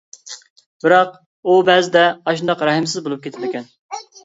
بىراق، ئۇ بەزىدە ئاشۇنداق رەھىمسىز بولۇپ كېتىدىكەن.